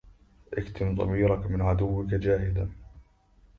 اكتم ضميرك من عدوك جاهدا